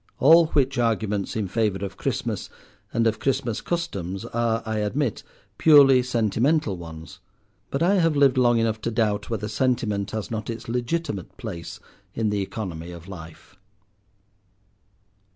All which arguments in favour of Christmas and of Christmas customs are, I admit, purely sentimental ones, but I have lived long enough to doubt whether sentiment has not its legitimate place in the economy of life.